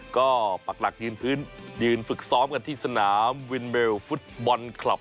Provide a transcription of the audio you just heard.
ก็ปักหลักยืนพื้นยืนฝึกซ้อมกันที่สนามวินเมลฟุตบอลคลับ